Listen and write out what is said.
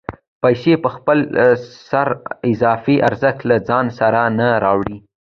پیسې په خپل سر اضافي ارزښت له ځان سره نه راوړي